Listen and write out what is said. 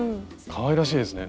かわいらしいですね。